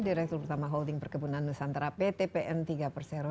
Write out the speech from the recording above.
direktur pertama holding perkebunan nusantara pt pm tiga persero